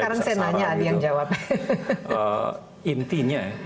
ini sekarang saya nanya adi yang jawab